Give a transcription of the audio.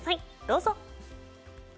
どうぞ！